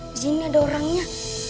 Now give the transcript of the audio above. di sini ada orangnya